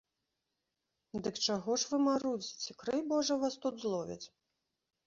Дык чаго ж вы марудзіце, крый божа вас тут зловяць?